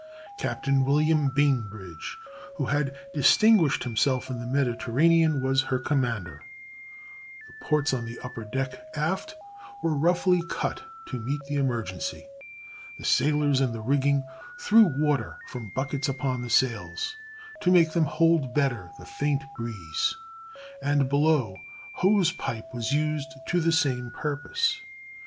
Captain William Bainbridge, who had distinguished himself in the Mediterranean, was her commander. [Illustration: THE "CONSTITUTION" CHASED BY CAPTAIN BROKE'S SQUADRON The ports on the upper deck aft were roughly cut to meet the emergency. The sailors in the rigging threw water from buckets upon the sails to make them hold better the faint breeze, and below hose pipe was used to the same purpose.